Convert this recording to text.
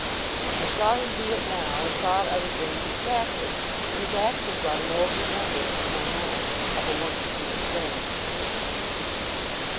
I saw him do it now, and thought I was going distracted, when his action brought an old remembrance to my mind of a once dear friend.